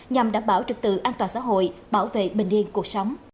nhằm đảm bảo trực tự an toàn xã hội bảo vệ bình yên cuộc sống